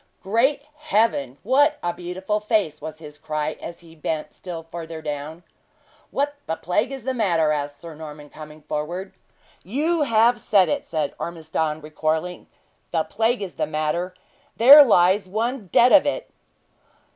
"Great Heaven! what a beautiful face!" was his cry, as he bent still further down. "What the plague is the matter?" asked Sir Norman, coming forward. "You have said it," said Ormiston, recoiling. "The plague is the matter. There lies one dead of it!"